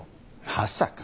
まさか。